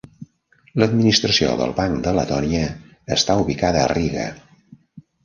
L'administració del Banc de Letònia està ubicada a Riga.